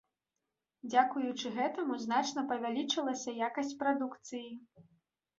Дзякуючы гэтаму значна павялічылася якасць прадукцыі.